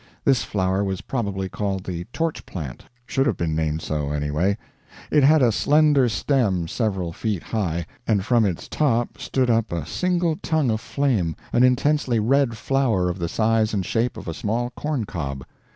This flower was probably called the torch plant should have been so named, anyway. It had a slender stem several feet high, and from its top stood up a single tongue of flame, an intensely red flower of the size and shape of a small corn cob.